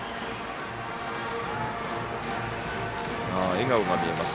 笑顔が見えます。